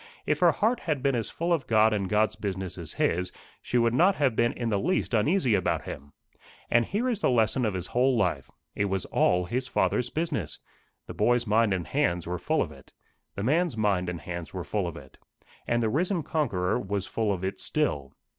If her heart had been as full of God and God's business as his, she would not have been in the least uneasy about him. And here is the lesson of his whole life: it was all his Father's business. The boy's mind and hands were full of it. The man's mind and hands were full of it. And the risen conqueror was full of it still.